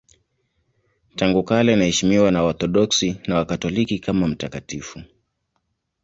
Tangu kale anaheshimiwa na Waorthodoksi na Wakatoliki kama mtakatifu.